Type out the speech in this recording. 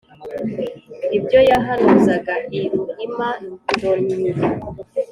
ibyo yahanuzaga i ruhima-ndonyi.